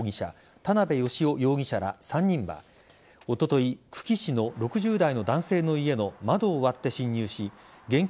田辺良雄容疑者ら３人はおととい、久喜市の６０代の男性の家の窓を割って侵入し現金